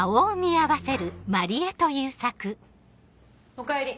おかえり。